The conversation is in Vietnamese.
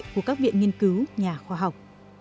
của các viện nghiên cứu nhà khoa học